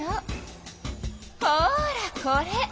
ほらこれ！